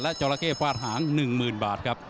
และจอลาเก้ปลาดหาง๑๐๐๐๐บาทครับ